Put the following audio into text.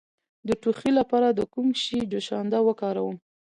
د ټوخي لپاره د کوم شي جوشانده وکاروم؟